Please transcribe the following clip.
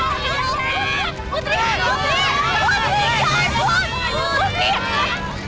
putri putri putri putri putri